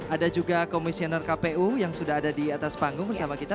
ada juga komisioner kpu yang sudah ada di atas panggung bersama kita